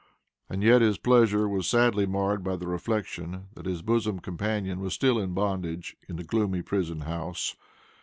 And yet, his pleasure was sadly marred by the reflection that his bosom companion was still in bondage in the gloomy prison house.